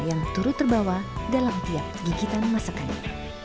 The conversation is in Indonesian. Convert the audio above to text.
yang turut terbawa dalam tiap gigitan masakannya